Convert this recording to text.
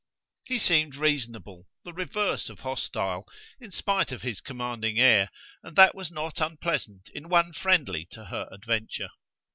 He seemed reasonable, the reverse of hostile, in spite of his commanding air, and that was not unpleasant in one friendly to her adventure.